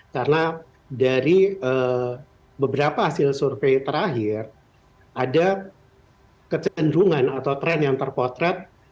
karena dari beberapa hasil survei terakhir ada kecenderungan atau tren yang terpotret